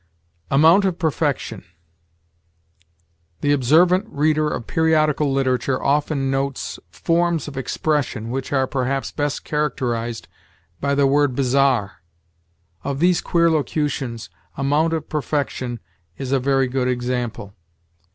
AMOUNT OF PERFECTION. The observant reader of periodical literature often notes forms of expression which are perhaps best characterized by the word bizarre. Of these queer locutions, amount of perfection is a very good example.